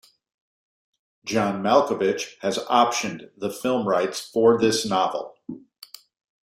John Malkovich has optioned the film rights for this novel.